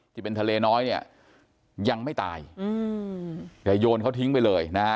ที่เป็นทะเลน้อยเนี่ยยังไม่ตายอืมแต่โยนเขาทิ้งไปเลยนะฮะ